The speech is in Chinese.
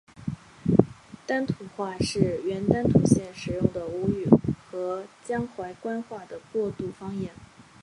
丹徒话是原丹徒县使用的吴语和江淮官话的过渡方言。